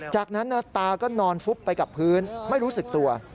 จากนั้นตาก็นอนฟุบไปกับพื้นไม่รู้สึกตัว